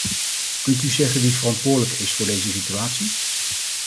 Kunt u zeggen wie verantwoordelijk is voor deze situatie?